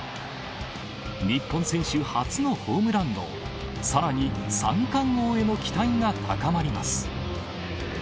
日本選手初のホームラン王、さらに三冠王への期待が高まります。